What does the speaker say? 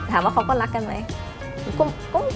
ถามว่าเขาก็รักกันไหม